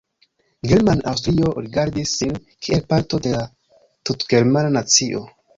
German-Aŭstrio rigardis sin kiel parto de la tutgermana nacio.